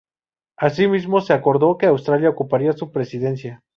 Asimismo se acordó que Australia ocuparía su presidencia.